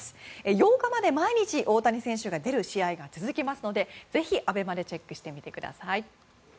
８日まで毎日、大谷選手が出る試合が続きますのでぜひＡＢＥＭＡでチェックしてみてください。